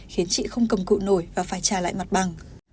khiến chị không cầm cụ nổi và phải trả lại mặt bằng